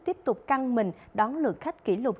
tiếp tục căng mình đón lượng khách kỷ lục